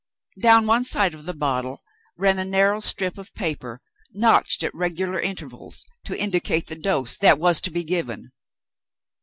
Down one side of the bottle ran a narrow strip of paper, notched at regular intervals to indicate the dose that was to be given.